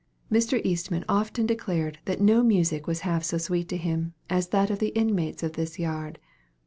Mr. Eastman often declared that no music was half so sweet to him as that of the inmates of this yard.